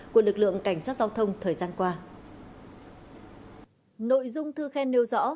của lực lượng cảnh sát giao thông